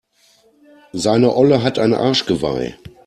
Seine Olle hat ein Arschgeweih.